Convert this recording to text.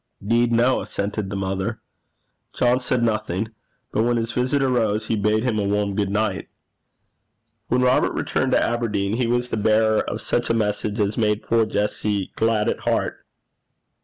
''Deed no,' assented the mother. John said nothing. But when his visitor rose he bade him a warm good night. When Robert returned to Aberdeen he was the bearer of such a message as made poor Jessie glad at heart.